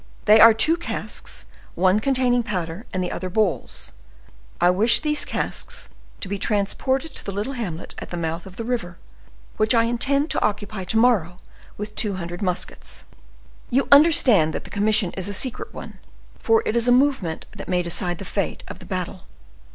"They are two casks, one containing powder, and the other balls; I wish these casks to be transported to the little hamlet at the mouth of the river, and which I intend to occupy to morrow with two hundred muskets. You understand that the commission is a secret one, for it is a movement that may decide the fate of the battle."